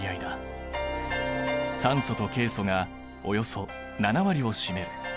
酸素とケイ素がおよそ７割を占める。